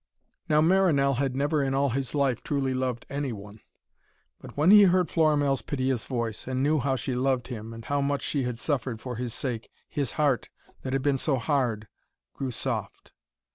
Now Marinell had never in all his life truly loved any one. But when he heard Florimell's piteous voice, and knew how she loved him, and how much she had suffered for his sake, his heart, that had been so hard, grew soft.